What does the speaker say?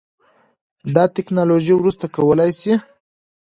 دا ټیکنالوژي وروسته کولی شي